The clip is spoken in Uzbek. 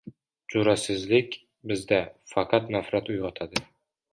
Jur’atsizlik bizda faqat nafrat uyg‘otadi.